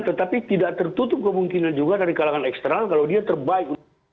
tetapi tidak tertutup kemungkinan juga dari kalangan eksternal kalau dia terbaik untuk